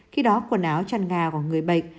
khi đó quần áo chăn gà của người bệnh